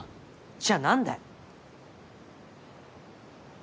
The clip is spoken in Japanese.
じゃあ何だよ。